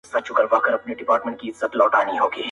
د دې ژوندیو له کتاره به وتلی یمه!.